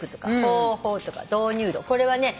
これはね